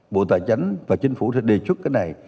bộ tài chánh và chính phủ sẽ đề xuất cái này